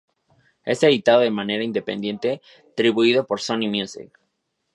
Es editado de manera independiente, distribuido por Sony Music.